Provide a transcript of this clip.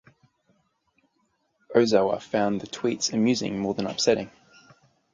Ozawa found the tweets amusing more than upsetting.